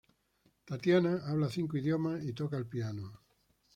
Tatiana habla cinco idiomas y toca el piano.